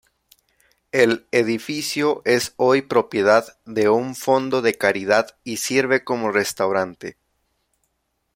El edificio es hoy propiedad de un fondo de caridad y sirve como restaurante.